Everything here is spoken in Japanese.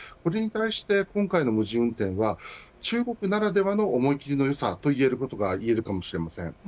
これに対して、今回の無人運転は中国ならではの思い切りの良さといえるかもしれません。